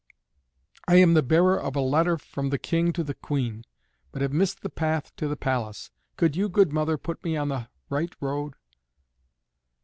"I am the bearer of a letter from the King to the Queen, but have missed the path to the palace. Could you, good mother, put me on the right road?"